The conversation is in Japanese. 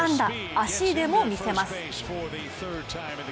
足でも見せます。